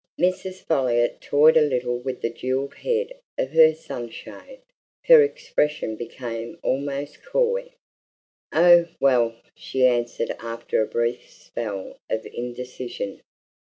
Mrs. Folliot toyed a little with the jewelled head of her sunshade. Her expression became almost coy. "Oh, well!" she answered after a brief spell of indecision.